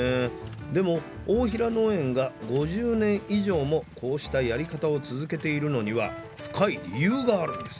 でも大平農園が５０年以上もこうしたやり方を続けているのには深い理由があるんです。